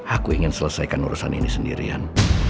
aku ingin selesaikan urusan ini sendirian